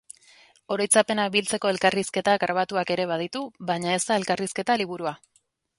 Oroitzapenak biltzeko elkarrizketa grabatuak ere baditu, baina ez da elkarrizketa liburua.